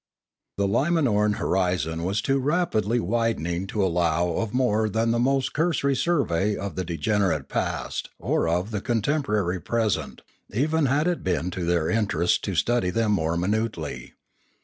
The Limanoran horizon was too rapidly widening to allow of more than the most cursory survey of the de generate past or of the contemporary present, even had it been to their interests to study them more minutely.